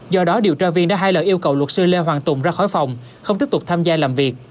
do đó điều tra viên đã hai lời yêu cầu luật sư lê hoàng tùng ra khỏi phòng không tiếp tục tham gia làm việc